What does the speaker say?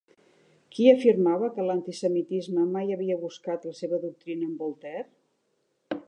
Qui afirmava que l'antisemitisme mai havia buscat la seva doctrina en Voltaire?